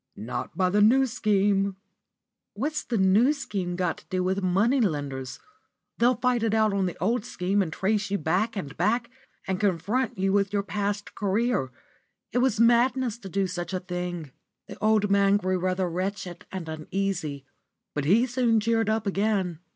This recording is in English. "Not by the New Scheme." "What's the New Scheme got to do with the money lenders? They'll fight it out on the Old Scheme, and trace you back and back, and confront you with your past career. It was madness to do such a thing." The old man grew rather wretched and uneasy, but he soon cheered up again.